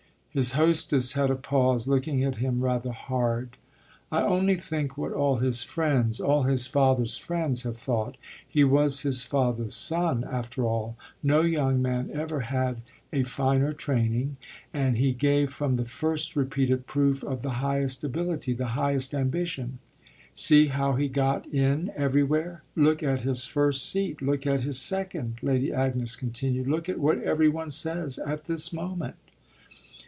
His hostess had a pause, looking at him rather hard. "I only think what all his friends all his father's friends have thought. He was his father's son after all. No young man ever had a finer training, and he gave from the first repeated proof of the highest ability, the highest ambition. See how he got in everywhere. Look at his first seat look at his second," Lady Agnes continued. "Look at what every one says at this moment."